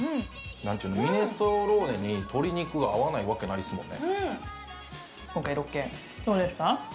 ミネストローネに鶏肉が合わないわけないっすもんね。